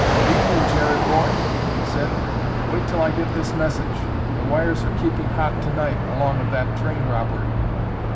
"Evening, Jerry boy," he said. "Wait till I get this message. The wires are keeping hot tonight along of that train robbery."